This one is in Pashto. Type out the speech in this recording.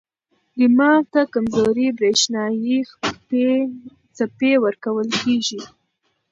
دماغ ته کمزورې برېښنايي څپې ورکول کېږي.